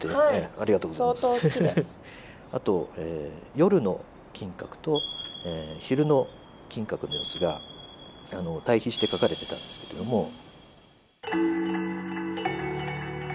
おっとあと夜の金閣と昼の金閣の様子が対比して書かれてたんですけれども。